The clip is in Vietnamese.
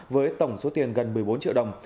với tổng số tiền gần một mươi bốn triệu đồng